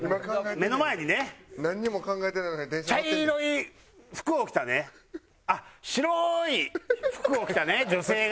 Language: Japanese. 目の前にね茶色い服を着たねあっ白い服を着たね女性が。